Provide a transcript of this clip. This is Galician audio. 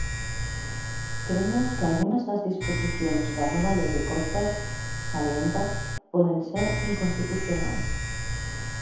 "Cremos que algunhas das disposicións da nova Lei de Costas", salienta, "poden ser inconstitucionais".